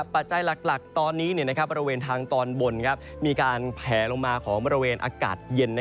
ปัจจัยหลักตอนนี้บริเวณทางตอนบนมีการแผลลงมาของบริเวณอากาศเย็น